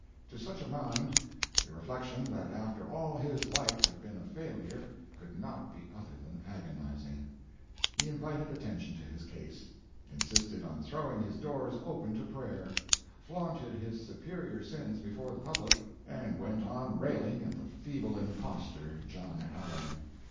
To such a mind, the reflection that after all his life had been a failure, could not be other than agonizing. He invited attention to his case—insisted on throwing his doors open to prayer—flaunted his superior sins before the public, and went on railing at the feeble impostor John Allen.